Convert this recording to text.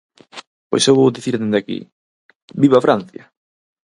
Pois eu vou dicir dende aquí, ¡viva Francia!